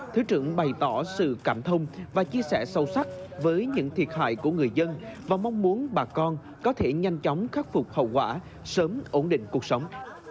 thứ trưởng bày tỏ sự cảm thông và chia sẻ sâu sắc với những thiệt hại của người dân và mong muốn bà con có thể nhanh chóng khắc phục hậu quả sớm ổn định cuộc sống